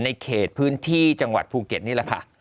ในเขตพื้นที่จังหวัดภูเก็ตนี่แหละค่ะ